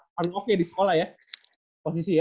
udah oke di sekolah ya posisi ya